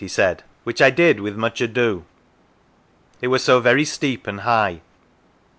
Pendle he said, " which I did with much ado ; it was so very steep and high.